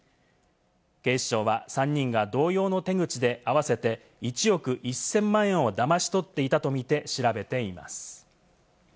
警視庁は３人が同様の手口で合わせて１億１０００万円をだまし取っていたとみて調べています。